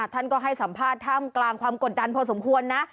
ท่านก็ให้สัมภาษณ์ท่ามกลางความกดดันพอสมควรนะ